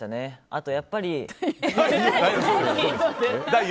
あとやっぱり。